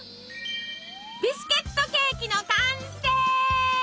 ビスケットケーキの完成！